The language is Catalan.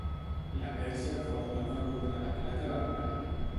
La verge porta una corona de plata daurada.